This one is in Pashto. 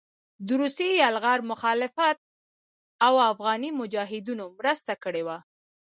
د روسي يلغار مخالفت او افغاني مجاهدينو مرسته کړې وه